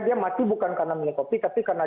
dia mati bukan karena minum kopi tapi karena